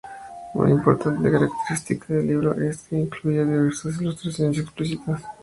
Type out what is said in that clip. Una importante característica del libro es que incluía diversas ilustraciones explícitas.